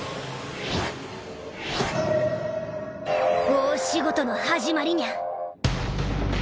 大仕事の始まりニャ。